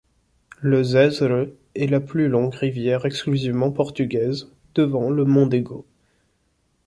Le Zêzere est la plus longue rivière exclusivement portugaise, devant le Mondego.